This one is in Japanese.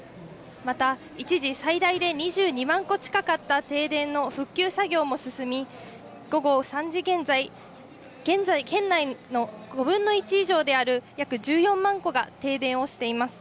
また、一時、最大で２２万戸近かった停電の復旧作業も進み、午後３時現在、現在県内の５分の１以上である、約１４万戸が停電をしています。